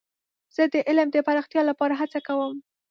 زه د علم د پراختیا لپاره هڅه کوم.